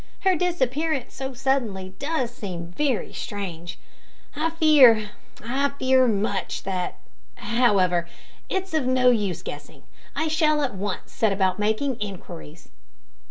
Her disappearance so suddenly does seem very strange. I fear, I fear much that however, it's of no use guessing. I shall at once set about making inquiries."